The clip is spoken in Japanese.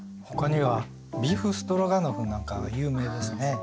ほかにはビーフストロガノフなんかが有名ですね。